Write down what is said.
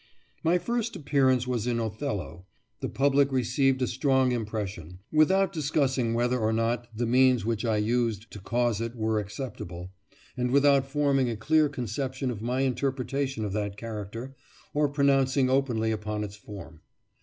My first appearance was in "Othello." The public received a strong impression, without discussing whether or not the means which I used to cause it were acceptable, and without forming a clear conception of my interpretation of that character, or pronouncing openly upon its form.